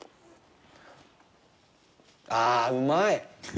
ああ、うまい。